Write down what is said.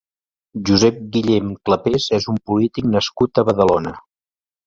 Josep Guillén Clapés és un polític nascut a Badalona.